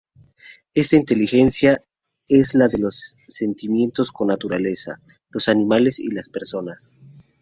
Esta inteligencia es la de los sentimientos con la naturaleza, los animales y personas.